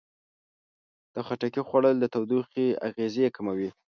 د خټکي خوړل د تودوخې اغېزې کموي.